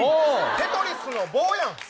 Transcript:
テトリスの棒やん。